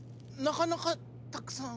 なかなかたくさん。